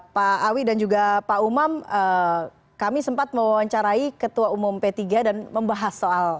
pak awi dan juga pak umam kami sempat mewawancarai ketua umum p tiga dan membahas soal